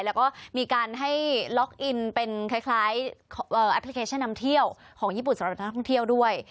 แล้วก็มีการให้ล็อกอินเป็นคล้ายแอปพลิเคชันนำเที่ยวของญี่ปุ่นสำหรับนักท่องเที่ยวด้วย